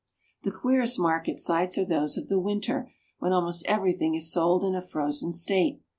The queerest market sights are those of the winter, when almost everything is sold in a frozen state.